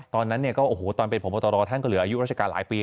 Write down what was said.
ตอนนั้นเนี่ยก็โอ้โหตอนเป็นพบตรท่านก็เหลืออายุราชการหลายปี